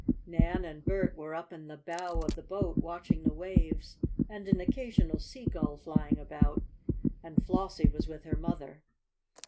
Nan and Bert were up in the bow of the boat, watching the waves and an occasional seagull flying about, and Flossie was with her mother.